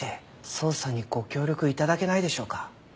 捜査にご協力頂けないでしょうか？